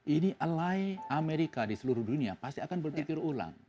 ini alai amerika di seluruh dunia pasti akan berpikir ulang